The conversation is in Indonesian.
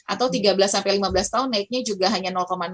atau tiga belas sampai lima belas tahun naiknya juga hanya